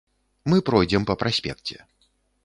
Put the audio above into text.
Мы пройдзем па праспекце.